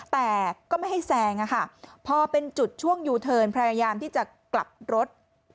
แต่ก็ไม่ให้แซงอะค่ะพอเป็นจุดช่วงยูเทิร์นพยายามที่จะกลับรถ